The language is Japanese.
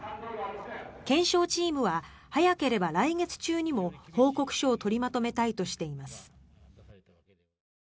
検証チームは早ければ来月中にも報告書を取りまとめたいとしています。